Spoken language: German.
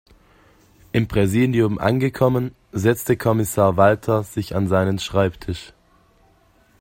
Im Präsidium angekommen, setzte Kommissar Walter sich an seinen Schreibtisch.